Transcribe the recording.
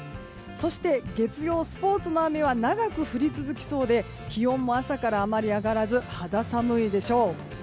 そして月曜日、スポーツの日の雨は長く降り続きそうで気温も朝から、あまり上がらず肌寒いでしょう。